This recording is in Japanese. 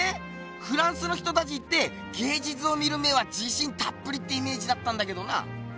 フランスの人たちって芸術を見る目はじしんたっぷりってイメージだったんだけどな！